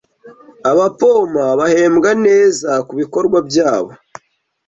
Abapompa bahembwa neza kubikorwa byabo.